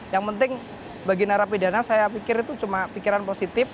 yang penting bagi narapidana saya pikir itu cuma pikiran positif